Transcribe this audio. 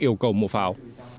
yêu cầu mua pháo